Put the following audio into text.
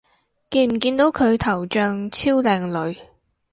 見唔見到佢頭像超靚女